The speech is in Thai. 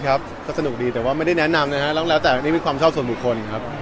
ก็สนุกดีแต่ไม่ได้แนะนำเลยค่ะดอกแล้วแหละแต่มีความชอบส่วนบุคคลครับ